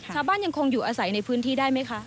ยังคงอยู่อาศัยในพื้นที่ได้ไหมคะ